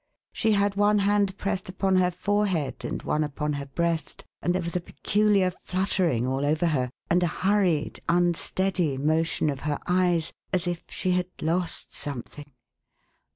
• She had one hand pressed upon her forehead, and one upon her breast; and there Avas a peculiar fluttering all over her, and a hurried unsteady motion of her eyes, as if she had lost something.